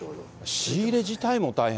仕入れ自体も大変。